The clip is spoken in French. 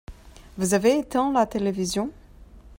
Vous avez éteint la télévision ?